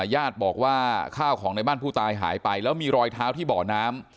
ญาติบอกว่าข้าวของในบ้านผู้ตายหายไปแล้วมีรอยเท้าที่บ่อน้ำ